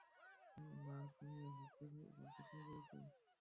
ওহ না, তুমিও ভাবতে শুরু করেছ।